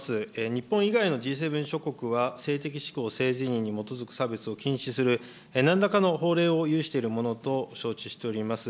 日本以外のＧ７諸国は、性的指向、性自認に基づく差別を禁止するなんらかの法令を有しているものと承知しております。